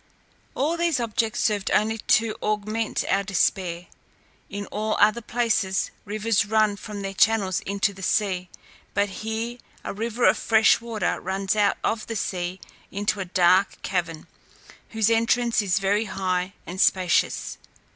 All these objects served only to augment our despair. In all other places, rivers run from their channels into the sea, but here a river of fresh water runs out of the sea into a dark cavern, whose entrance is very high and spacious.